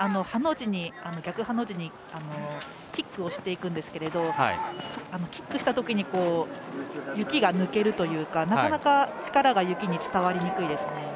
逆ハの字にキックをしていくんですけれどキックしたときに雪が抜けるというかなかなか力が雪に伝わりにくいです。